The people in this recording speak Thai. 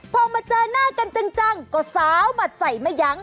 พอมาเจอหน้ากันจังก็สาวหมัดใส่ไม่ยั้ง